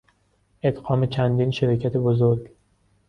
ادغام چندین شرکت بزرگ